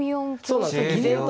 そうなんですよ。